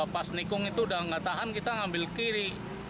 pas nikung itu sudah tidak tahan kita mengambil kiri